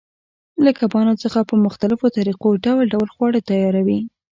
له کبانو څخه په مختلفو طریقو ډول ډول خواړه تیاروي.